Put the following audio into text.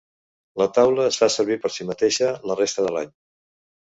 La taula es fa servir per si mateixa la resta de l'any.